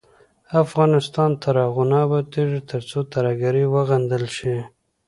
افغانستان تر هغو نه ابادیږي، ترڅو ترهګري وغندل شي.